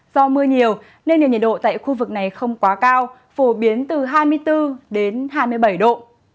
do mưa nhiều nên nền nhiệt độ tại khu vực này không quá cao phổ biến từ hai mươi bốn đến hai mươi bảy độ